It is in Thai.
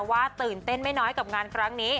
ตื่นเต้นไม่น้อยกับงานครั้งนี้